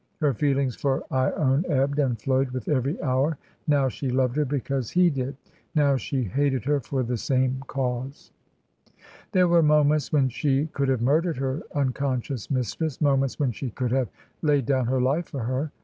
... Her feelings for lone ebbed and flowed with every hour; now she loved her because he did; now she hated her for the same cause. There were moments when she could have murdered her unconscious mistress, moments when she could have laid down her life for her.